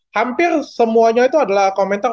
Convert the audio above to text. hampir semuanya itu adalah komentar